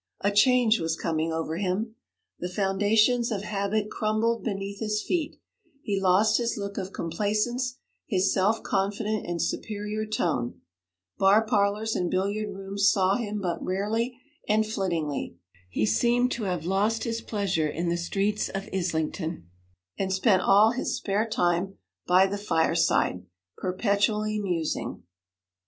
A change was coming over him; the foundations of habit crumbled beneath his feet; he lost his look of complacence, his self confident and superior tone. Bar parlours and billiard rooms saw him but rarely and flittingly. He seemed to have lost his pleasure in the streets of Islington, and spent all his spare time by the fireside, perpetually musing.